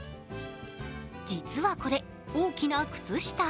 実はこれ、大きな靴下。